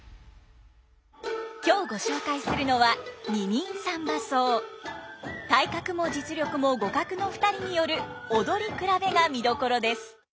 今日ご紹介するのは体格も実力も互角の２人による踊り比べが見どころです。